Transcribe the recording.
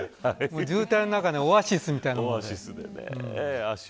渋滞の中のオアシスみたいなね。